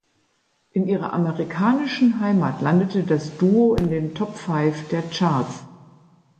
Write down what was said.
In ihrer amerikanischen Heimat landete das Duo in den Top Five der Charts.